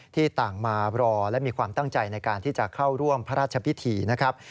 ที่ต่างมารอและมีความตั้งใจในการที่จะเข้าร่วมพระราชพิธีนะครับ